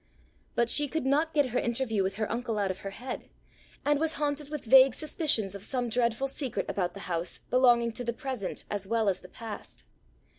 But she could not get her interview with her uncle out of her head, and was haunted with vague suspicions of some dreadful secret about the house belonging to the present as well as the past.